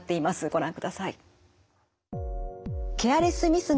ご覧ください。